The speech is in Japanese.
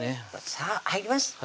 さぁ入ります！